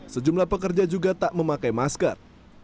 sejumlah pekerja juga tak memakai masker